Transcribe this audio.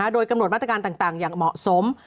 โดยกำหนดมาตรการต่างอย่างเหมาะสม